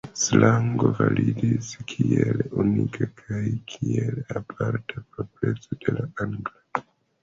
Slango validis kiel unika kaj kiel aparta propreco de la angla.